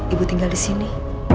ibu tinggal di sini